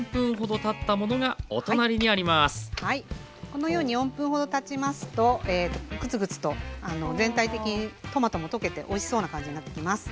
このように４分ほどたちますとクツクツと全体的にトマトも溶けておいしそうな感じになってきます。